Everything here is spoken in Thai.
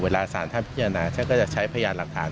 เวลาสารท่านพิจารณาท่านก็จะใช้พยานหลักฐาน